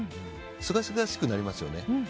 すがすがしくなりますよね。